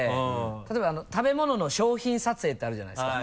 例えば食べ物の商品撮影ってあるじゃないですか。